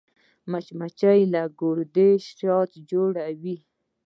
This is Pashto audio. مچمچۍ له ګرده نه شات جوړوي